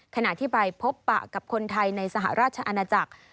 ขณะที่ไปพบปะกับคนไทยในสหราชอาณาจักร